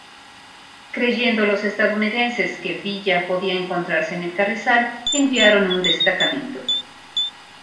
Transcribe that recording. Creyendo los estadounidenses que Villa podía encontrarse en El Carrizal enviaron un destacamento.